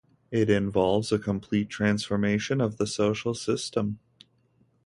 It involves a complete transformation of the social system.